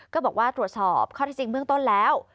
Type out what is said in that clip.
ก็บอกว่าตรวจสอบข้อที่จริงเบื้องต้นแล้ว